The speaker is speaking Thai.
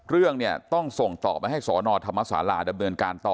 เรื่องเนี่ยต้องส่งต่อไปให้สนธรรมศาลาดำเนินการต่อ